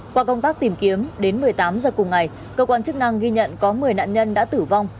qua công tác tìm kiếm đến một mươi tám h cùng ngày cơ quan chức năng ghi nhận có một mươi nạn nhân đã tử vong